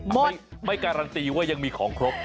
ไม่การันตีว่ายังมีของครบ